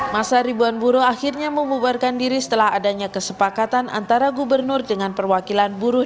masa ribuan buruh akhirnya membubarkan diri setelah adanya kesepakatan antara gubernur dengan perwakilan buruh